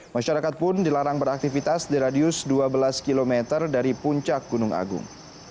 masyarakat pun dilarang beraktivitas di radius dua belas km dari puncak gunung agung